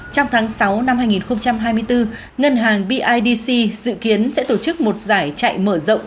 trong tháng sáu năm hai nghìn hai mươi bốn ngân hàng bidc dự kiến sẽ tổ chức một giải chạy mở rộng